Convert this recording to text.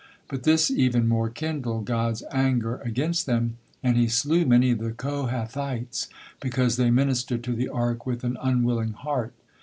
But this even more kindled God's anger against them, and He slew many of the Kohathites because they ministered to the Ark with an unwilling heart.